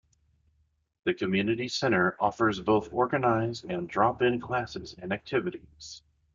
The community center offers both organized and drop-in classes and activities.